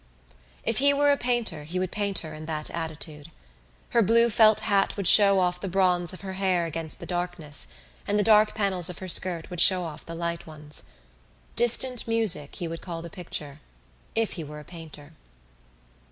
If he were a painter he would paint her in that attitude. Her blue felt hat would show off the bronze of her hair against the darkness and the dark panels of her skirt would show off the light ones. Distant Music he would call the picture if he were a painter.